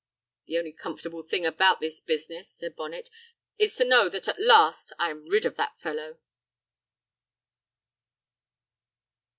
"The only comfortable thing about this business," said Bonnet, "is to know that at last I am rid of that fellow!"